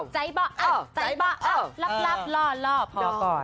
ใจเบาะใจเบาะลับลับล่อล่อพอก่อน